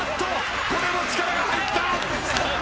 これも力が入った！